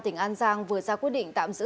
tỉnh an giang vừa ra quyết định tạm giữ